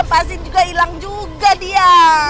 pasin juga hilang juga dia